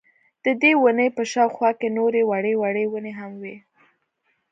ددې وني په شاوخوا کي نوري وړې وړې وني هم وې